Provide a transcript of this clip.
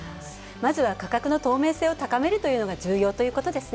まずは価格の透明性を高めるというのが重要ということですね。